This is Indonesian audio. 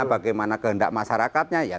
bagaimana kehendak masyarakatnya